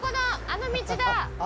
あの道だ。